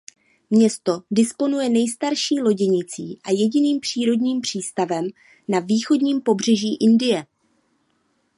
Město disponuje nejstarší loděnicí a jediným přírodním přístavem na východním pobřeží Indie.